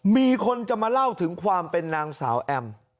มีคนจะมาเล่าถึงความเป็นนางสาวแอม